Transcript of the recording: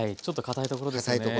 ちょっとかたいところですね。